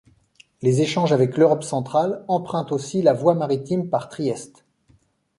Les échanges avec l'Europe centrale empruntent aussi la voie maritime par Trieste.